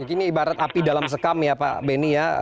ini ibarat api dalam sekam ya pak beni ya